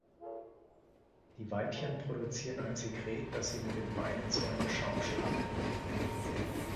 Die Weibchen produzieren ein Sekret, das sie mit den Beinen zu einem Schaum schlagen.